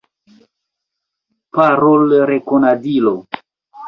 Parolrekonadilo.